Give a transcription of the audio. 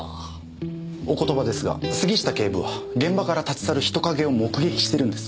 お言葉ですが杉下警部は現場から立ち去る人影を目撃してるんです。